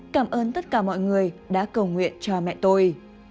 cảm ơn tất cả mọi người đã cầu nguyện cho mẹ tôi